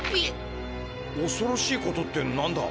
おそろしいことって何だ？